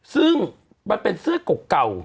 ซึ่งเปียงเป็นเราจะก๋อกเก่า